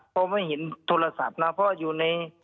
เค้าไม่เห็นโทรศัพท์นะค่ะ